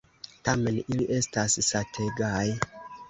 Tamen, ili estas sategaj.